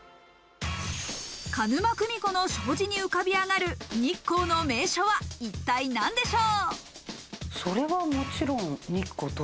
鹿沼組子の障子に浮かび上がる日光の名所は一体なんでしょう。